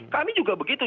kami juga begitu